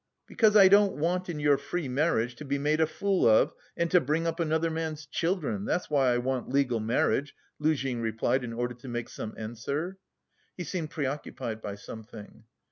"Because I don't want in your free marriage to be made a fool of and to bring up another man's children, that's why I want legal marriage," Luzhin replied in order to make some answer. He seemed preoccupied by something.